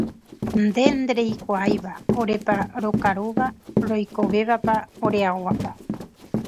nde ndereikuaáiva orépa rokarúva, roikovẽvapa, oreaóvapa